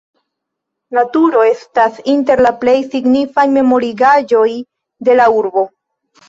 La turo estas inter la plej signifaj memorigaĵoj de la urbo.